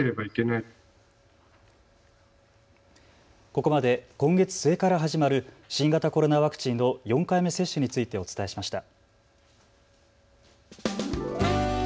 ここまで今月末から始まる新型コロナワクチンの４回目接種についてお伝えしました。